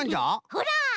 ほら！